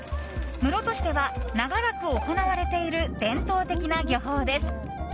室戸市では長らく行われている伝統的な漁法です。